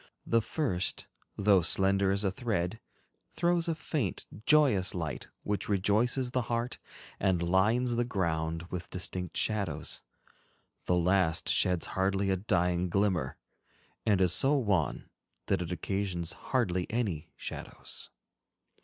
The first, though slender as a thread, throws a faint, joyous light which rejoices the heart and lines the ground with distinct shadows; the last sheds hardly a dying glimmer, and is so wan that it occasions hardly any shadows.